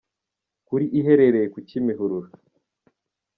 kuri iherereye ku Kimihurura.